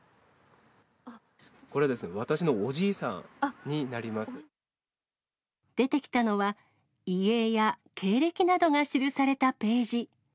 これですね、私のおじいさん出てきたのは、遺影や経歴などが記されたページ。